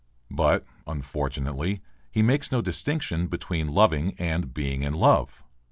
But, unfortunately, he makes no distinction between loving and being in love.